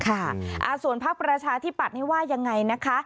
ค่ะส่วนภาคประชาธิบัติว่ายังไงนะคะ